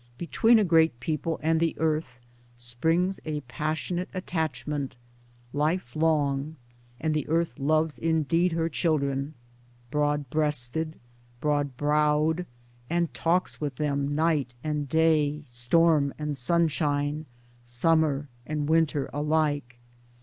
Between a great people and the earth springs a pas sionate attachment, lifelong — and the earth loves indeed her children, broad breasted, broad browed, and talks with them night and day, storm and sunshine, summer and winter alike.